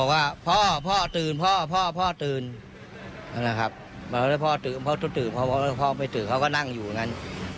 เมื่อพ่อตื่นพ่อตื่นพ่อไม่ตื่นเขาก็นั่งอยู่อย่างนั้น